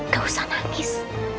gak usah nangis